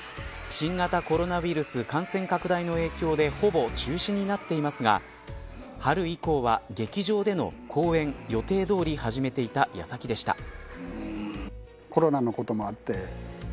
新型コロナウイルス感染拡大の影響でほぼ中止になっていますが春以降は、劇場での公演を予定どおり始めていた矢先でした。